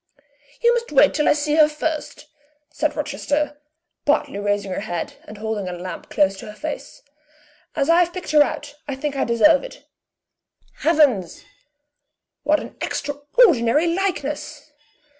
"You must wait till I see her first," said Rochester, partly raising her head, and holding a lamp close to her face, "as I have picked her out, I think I deserve it. Heavens! what an extraordinary likeness!"